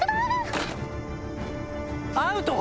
アウト？